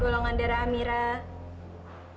golongan darah amirah